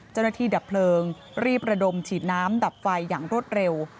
เจ้าหน้าที่ดับเพลิงรีบระดมฉีดน้ำดับไฟอย่างรวดเร็ว